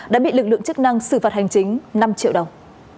đã bị lực lượng chức năng xử phạt hành chính năm triệu đồng